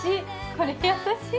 これ優しい。